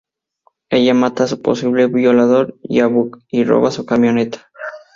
Ella mata a su posible violador y a Buck, y roba su camioneta.